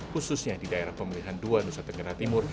khususnya di daerah pemilihan dua nusa tenggara timur